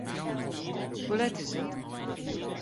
Hoe let is it?